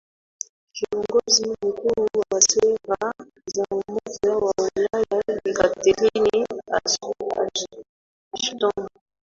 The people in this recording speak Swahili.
kiongozi mkuu wa sera za umoja wa ulaya bi catherine ashton